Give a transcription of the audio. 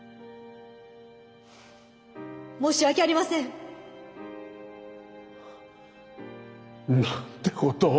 申し訳ありません！なんてことを。